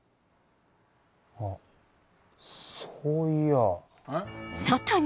あっそういや。